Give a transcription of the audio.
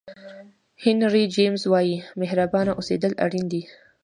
هینري جمیز وایي مهربانه اوسېدل اړین دي.